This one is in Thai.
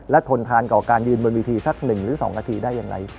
และทนทานต่อการยืนบนวิธีสัก๑หรือ๒นาทีได้อย่างไร